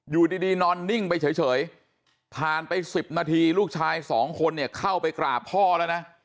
อยู่ดีนอนนิ่งไปเฉยผ่านไป๑๐นาทีลูกชายสองคนเนี่ยเข้าไปกราบพ่อแล้วนะ